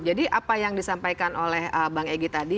jadi apa yang disampaikan oleh bang egy tadi